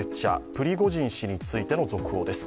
プリゴジン氏についての続報です。